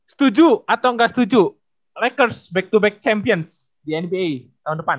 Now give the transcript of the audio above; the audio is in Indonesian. setuju atau gak setuju lakers back to back champions di nba tahun depan